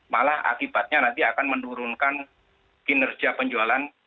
malah akibatnya nanti akan menurunkan kinerja penjualan